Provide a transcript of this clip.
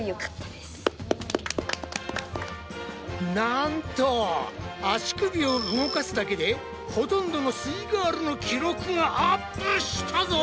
なんと足首を動かすだけでほとんどのすイガールの記録がアップしたぞ！